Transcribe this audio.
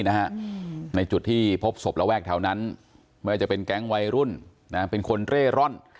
ในจุดที่พบศพระแวกแถวนั้นไม่ว่าจะเป็นแก๊งวัยรุ่นเป็นคนเร่ร่อน